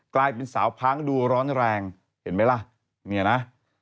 กลายเป็นสาวพ้างดูร้อนแรงเห็นไหมล่ะเนี่ยนะ